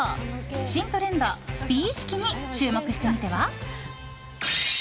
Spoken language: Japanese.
新トレンド、鼻意識に注目してみては？